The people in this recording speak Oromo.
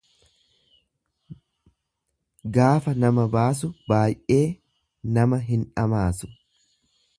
Gaafa nama badhaasu baay'ee nama hindhamaasu.